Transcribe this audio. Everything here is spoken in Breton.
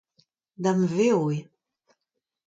Damvezv eo.